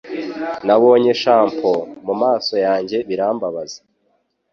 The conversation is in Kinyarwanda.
Nabonye shampoo mumaso yanjye birambabaza